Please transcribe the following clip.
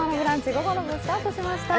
午後の部スタートしました。